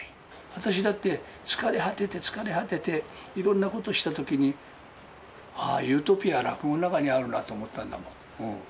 私だって、疲れ果てて、疲れ果てて、いろんなことしたときに、ああ、ユートピアは落語の中にあるなと思ったんだもん。